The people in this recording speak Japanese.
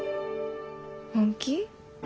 本気？